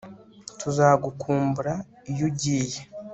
Tuzagukumbura iyo ugiye